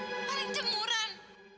hah maling jemuran